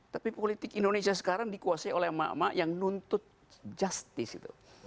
tapi politik indonesia sekarang dikuasai oleh makmah yang nuntut justice